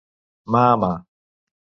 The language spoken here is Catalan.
Mà a mà.